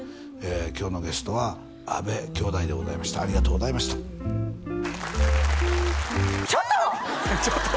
今日のゲストは阿部兄妹でございましたありがとうございましたちょっと！